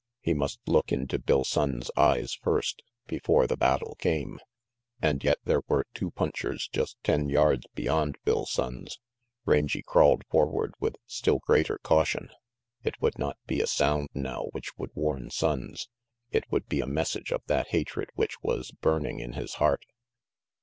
He must look into Bill Sonnes' eyes first, before the battle came. And yet there were two punchers just ten yards beyond Bill Sonnes. Rangy crawled forward with still greater caution. It would not be a sound now which would warn Sonnes. It would be a message of that hatred which was burning in his heart.